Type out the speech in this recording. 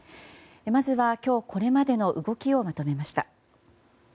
まずは、今日これまでの動きをまとめました。